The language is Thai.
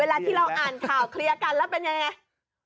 เวลาที่เราอ่านข่าวเคลียร์กันแล้วเป็นยังไง